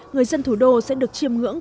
người dân thủ đô sẽ được chiêm ngưỡng